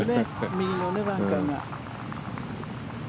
右のバンカーが。